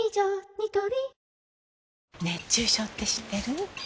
ニトリ熱中症って知ってる？